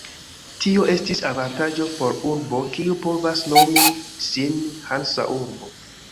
Tio estis avantaĝo por urbo, kiu povas nomi sin hansa urbo.